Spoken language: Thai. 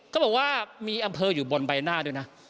ก็บอกว่ามีอำเภออยู่บนใบหน้าด้วยนะ